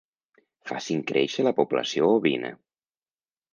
Facin créixer la població ovina.